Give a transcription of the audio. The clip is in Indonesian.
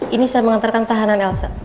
ini saya mengantarkan tahanan elsa